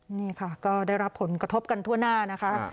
นี่ค่ะก็ได้รับผลกระทบกันทั่วหน้านะคะ